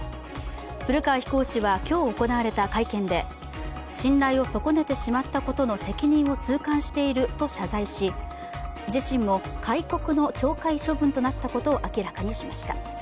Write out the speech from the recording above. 古川飛行士は今日行われた会見で、信頼を損ねてしまったことの責任を痛感していると謝罪し自身も戒告の懲戒処分となったことを明らかにしました。